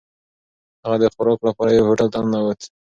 هغه د خوراک لپاره یوه هوټل ته ننووت.